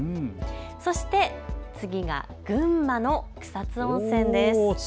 そして次が群馬の草津温泉です。